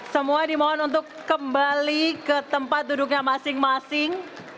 semua dimohon untuk kembali ke tempat duduknya masing masing